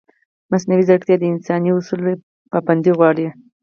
مصنوعي ځیرکتیا د انساني اصولو پابندي غواړي.